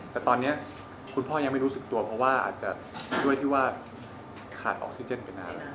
แต่ตอนนี้คุณพ่อยังไม่รู้สึกตัวเพราะว่าอาจจะด้วยที่ว่าขาดออกซิเจนไปนาน